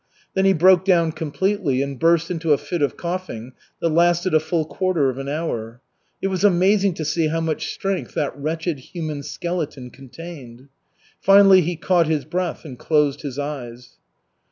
Then he broke down completely and burst into a fit of coughing that lasted a full quarter of an hour. It was amazing to see how much strength that wretched human skeleton contained. Finally he caught his breath and closed his eyes.